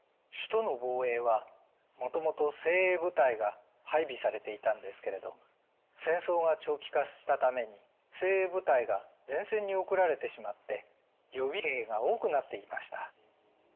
首都の防衛はもともと精鋭部隊が配備されていたんですけれど戦争が長期化したために精鋭部隊が前線に送られてしまって予備兵が多くなっていました。